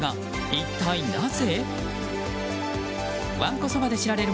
一体なぜ？